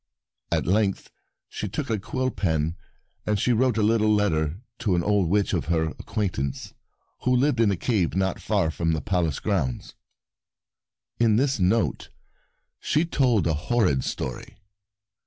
At length she took a quill pen and she wrote a little letter to an old witch of her acquaint ance who lived in a cave not far from the Palace grounds. In this note she told a horrid story.